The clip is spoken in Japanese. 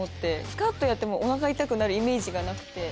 スクワットやってもお腹痛くなるイメージがなくて。